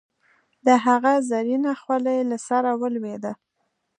د هغه زرينه خولی له سره ولوېده.